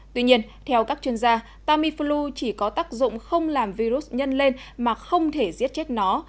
tuy nhiên theo các chuyên gia tamiflu chỉ có tác dụng không làm virus nhân lên mà không thể giết chết nó